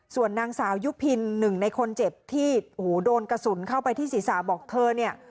ส่วนนางสาวยุพินหนึ่งในคนเจ็บที่โอ้โหโดนกระสุนเข้าไปที่ศีรษะบอกเธอเนี่ย